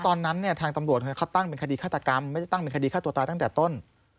ตอนนั้นเนี่ยทางตำรวจเขาตั้งเป็นคดีฆาตกรรมไม่ได้ตั้งเป็นคดีฆ่าตัวตายตั้งแต่ต้น